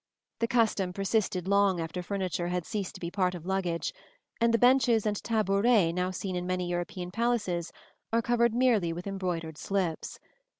The custom persisted long after furniture had ceased to be a part of luggage, and the benches and tabourets now seen in many European palaces are covered merely with embroidered slips.